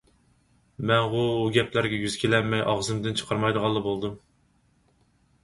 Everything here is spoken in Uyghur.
مەنغۇ ئۇ گەپلەرگە يۈز كېلەلمەي ئاغزىمدىن چىقارمايدىغانلا بولدۇم.